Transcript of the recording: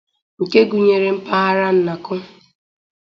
nke gụnyere mpaghara Nnakụ